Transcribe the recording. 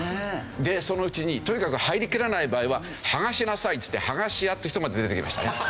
そのうちにとにかく入りきらない場合は剥がしなさいって言って剥がし屋っていう人まで出てきましたね。